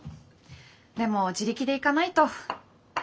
でも自力で行かないと。